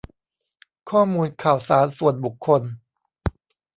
ข้อมูลข่าวสารส่วนบุคคล